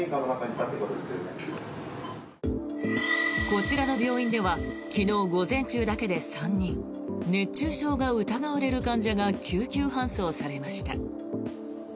こちらの病院では昨日午前中だけで３人熱中症が疑われる患者が救急搬送されました。